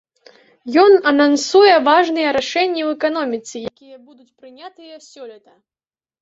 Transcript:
Ён анансуе важныя рашэнні ў эканоміцы, якія будуць прынятыя сёлета.